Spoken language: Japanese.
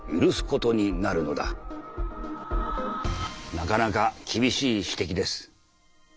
なかなか厳しい指摘です。